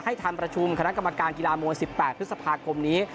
ทำประชุมคณะกรรมการกีฬามวย๑๘พฤษภาคมนี้